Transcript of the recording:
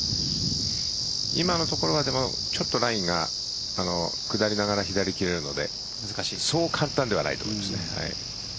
今のところはちょっとラインが下りながら左に切れるのでそう簡単ではないと思います。